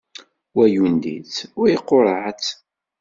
Wa yundi-tt, wa iquṛeɛ-tt.